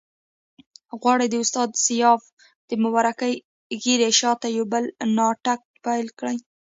غواړي د استاد سیاف د مبارکې ږیرې شاته یو بل ناټک پیل کړي.